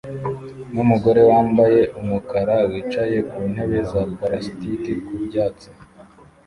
numugore wambaye umukara wicaye ku ntebe za plastiki ku byatsi